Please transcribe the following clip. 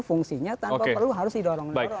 fungsinya tanpa perlu harus didorong dorong